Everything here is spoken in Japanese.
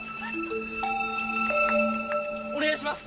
お願いします！